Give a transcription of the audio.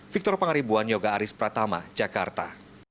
victor pangaribuan yoga aris pratama jakarta